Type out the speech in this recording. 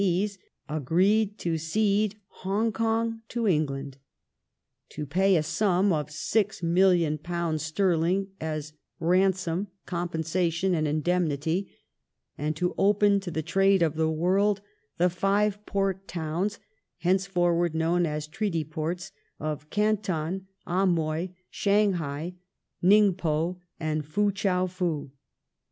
1841] TREATY OF NANKIN 159 agreed to cede Hong Kong to England, to pay a sum of £6,000,000 sterling as " ransom," compensation, and indemnity, and to open to the trade of the world the five port towns (henceforward known as Treaty Ports) of Canton, Amoy, Shanghai, Ningpo, and Foo Chow Foo.